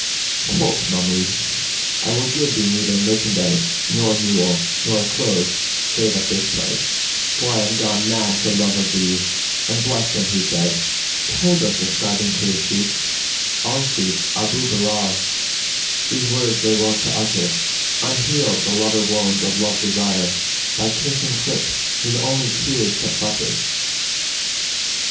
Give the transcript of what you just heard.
Quoth Mahmud, "I will give thee neither merchandise nor mule nor clothes save at this price; for I am gone mad for love of thee, and bless him who said, 'Told us, ascribing to his Shaykhs, our Shaykh * Abъ Bilбl, these words they wont to utter:[FN#52] Unhealed the lover wones of love desire, * By kiss and clip, his only cure's to futter!'"